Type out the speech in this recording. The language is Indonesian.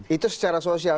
itu secara sosial